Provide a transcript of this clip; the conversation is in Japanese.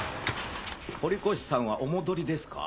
堀越さんはお戻りですか？